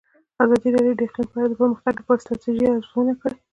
ازادي راډیو د اقلیم په اړه د پرمختګ لپاره د ستراتیژۍ ارزونه کړې.